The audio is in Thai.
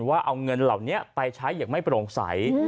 ว่าเอาเงินเหล่านี้ไปใช้อย่างไม่โปร่งใส